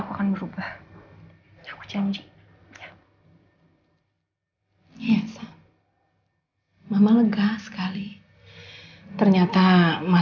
karena kan selama ini mama terus yang masak